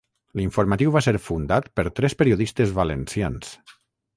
L'Informatiu va ser fundat per tres periodistes valencians.